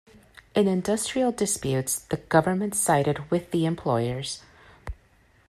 In industrial disputes, the government sided with the employers.